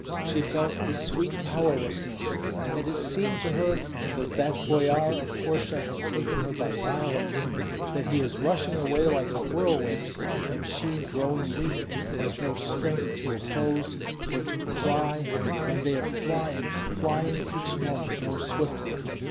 She felt a sweet powerlessness, and it seemed to her that that boyar of Orsha had taken her by violence: that he is rushing away like a whirlwind, and she growing weak has no strength to oppose or to cry, and they are flying, flying each moment more swiftly.